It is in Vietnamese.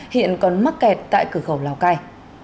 hiện còn mắc kẹt tại cửa khẩu lào cai